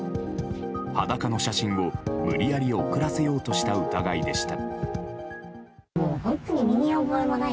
裸の写真を、無理やり送らせようとした疑いでした。